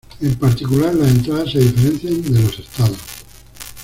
En particular, las entradas se diferencian de los estados.